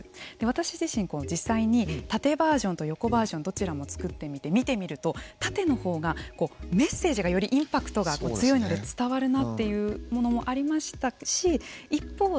私自身、実際に縦バージョンと横バージョンどちらも作ってみて見てみると縦のほうがメッセージがよりインパクトが強いので伝わるなというものもありましたし